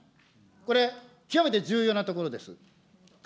これ、極めて重要なところです。